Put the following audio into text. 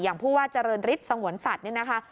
ผู้ว่าเจริญฤทธิ์สงวนสัตว์นี่นะคะ